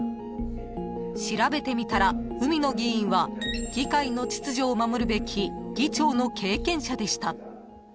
［調べてみたら海野議員は議会の秩序を守るべき議長の経験者でした］